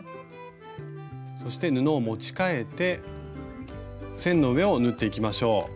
そして布を持ち替えて線の上を縫っていきましょう。